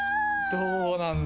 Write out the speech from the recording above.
どうなんだ？